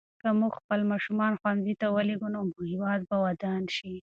که موږ خپل ماشومان ښوونځي ته ولېږو نو هېواد به ودان شي.